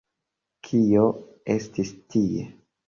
Kio estis tie?